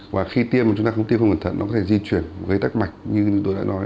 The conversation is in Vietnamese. và khi tiêm mà chúng ta không tiêm không cẩn thận nó có thể di chuyển gây tắc mạch như tôi đã nói